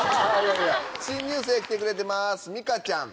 新入生来てくれてますみかちゃん。